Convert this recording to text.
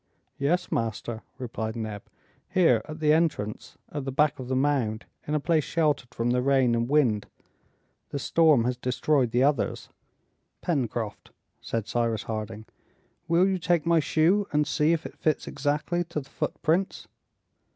"Yes, master," replied Neb; "here, at the entrance, at the back of the mound, in a place sheltered from the rain and wind. The storm has destroyed the others." "Pencroft," said Cyrus Harding, "will you take my shoe and see if it fits exactly to the footprints?"